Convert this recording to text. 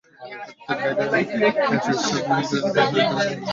প্রত্যেক গাইডের চিকিৎসাবিমা তিন হাজার থেকে চার হাজার ডলার করা হয়েছে।